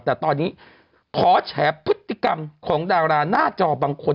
แต่ตอนนี้ขอแฉพฤติกรรมของดาราหน้าจอบางคน